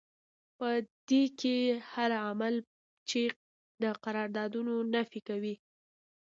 په دې کې هر عمل چې د قراردادونو نفي کوي.